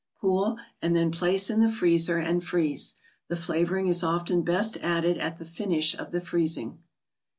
Cool, and then place in the freezer and freeze. The flavoring is often best added at the finish of the freezing.